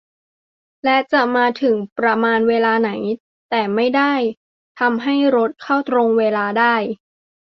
และจะมาถึงประมาณเวลาไหน - แต่ไม่ได้ทำให้รถเข้าตรงเวลาได้